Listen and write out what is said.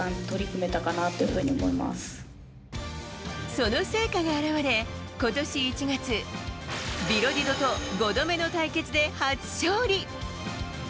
その成果が表れ、今年１月ビロディドと５度目の対決で初勝利。